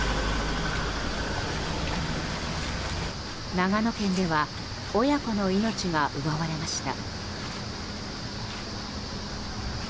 長野県では親子の命が奪われました。